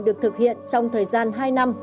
được thực hiện trong thời gian hai năm